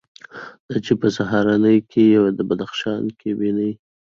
دا چې په سهارنۍ کې یې د بدخشان ګبیني،